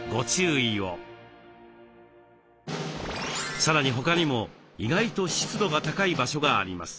さらに他にも意外と湿度が高い場所があります。